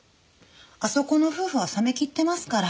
あそこの夫婦は冷め切ってますから。